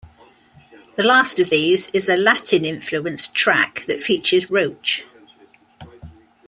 The last of these is a Latin-influenced track that features Roach.